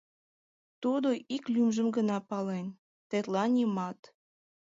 Тудо ик лӱмжым гына пален, - тетла нимат.